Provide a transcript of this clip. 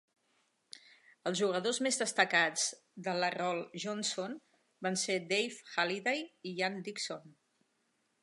Els jugadors més destacats de l'Arrol-Johnston van ser Dave Halliday i Ian Dickson.